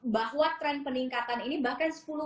bahwa trend peningkatan ini bahkan sepuluh kali